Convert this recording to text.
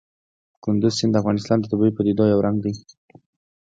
کندز سیند د افغانستان د طبیعي پدیدو یو رنګ دی.